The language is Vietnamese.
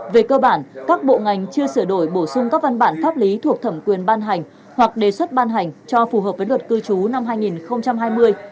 về cơ bản các bộ ngành chưa sửa đổi bổ sung các văn bản pháp lý thuộc thẩm quyền ban hành hoặc đề xuất ban hành cho phù hợp với luật cư trú năm hai nghìn hai mươi